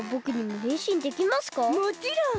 もちろん！